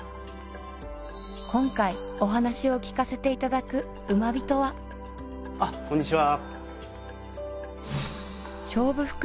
今回お話を聞かせていただくウマビトはあっこんにちは